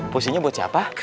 pusinya buat siapa